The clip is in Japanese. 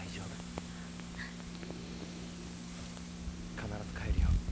必ず帰るよ。